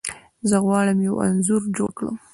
زه غواړم یو انځور جوړ کړم.